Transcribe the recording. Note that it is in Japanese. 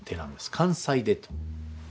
関西手と。